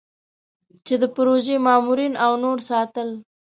چې د پروژې ماموران او نور ساتل.